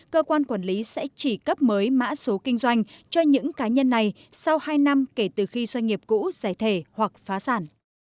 cơ quan quản lý sẽ chỉ cấp mới mã số kinh doanh cho những cá nhân này sau hai năm kể từ khi doanh nghiệp cũ giải thể hoặc phá sản